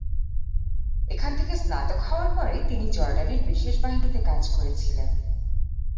এখান থেকে স্নাতক হওয়ার পরে, তিনি জর্ডানের বিশেষ বাহিনীতে কাজ করেছিলেন।